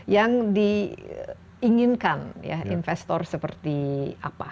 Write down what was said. yang diinginkan ya investor seperti apa